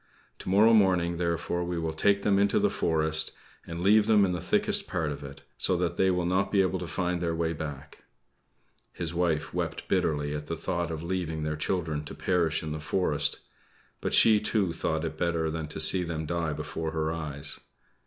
To morrow morning, therefore, we will take them into the forest and leave them in the thickest part of it, so that they will not be able to find their way back." His wife wept bitterly at the thought of leaving their children to perish in the forest; but she, too, thought it better than to see them die before her eyes.